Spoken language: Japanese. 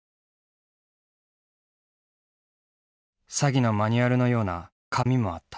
詐欺のマニュアルのような紙もあった。